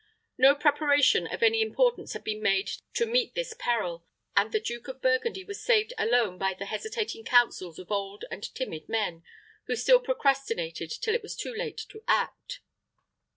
No preparation of any importance had been made to meet this peril; and the Duke of Burgundy was saved alone by the hesitating counsels of old and timid men, who still procrastinated till is was too late to act.